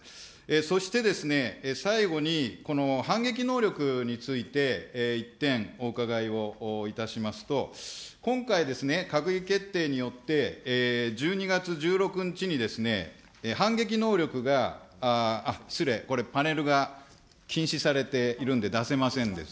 そしてですね、最後に、この反撃能力について一点、お伺いをいたしますと、今回ですね、閣議決定によって、１２月１６日にですね、反撃能力が、失礼、これパネルが禁止されているので出せませんです。